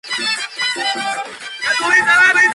Messe du Jour de Noël